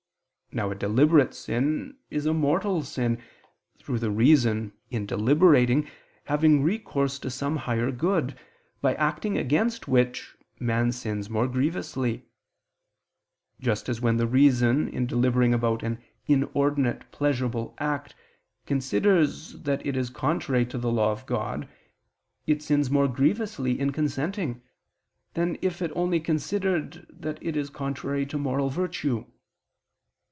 Now a deliberate sin is a mortal sin, through the reason, in deliberating, having recourse to some higher good, by acting against which, man sins more grievously; just as when the reason in deliberating about an inordinate pleasurable act, considers that it is contrary to the law of God, it sins more grievously in consenting, than if it only considered that it is contrary to moral virtue.